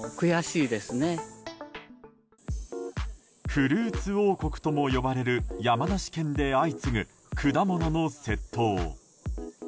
フルーツ王国とも呼ばれる山梨県で相次ぐ果物の窃盗。